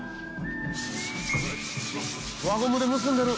輪ゴムで結んでる。